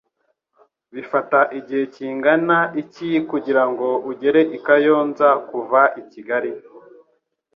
Bifata igihe kingana iki kugirango ugere i Kayonza kuva i kigali?